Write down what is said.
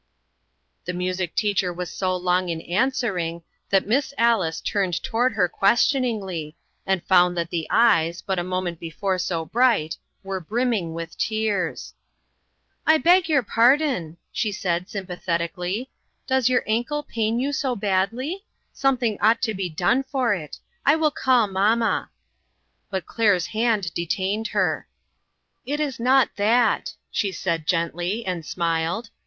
The music teacher was so long in answer ing, that Miss Alice turned toward her questioningly, and found that the eyes, but a moment before so bright, were brimming with tears. " I beg your pardon," she said, sympa 152 . mTERROPTED. thetically, " does your ankle pain you so badly ? Something ought to be done for it. I will call mamma." But Claire's hand detained her. " It is not that," she said gently, and smiled.